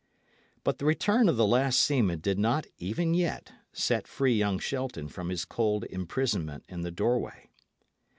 But the return of the last seaman did not, even yet, set free young Shelton from his cold imprisonment in the doorway.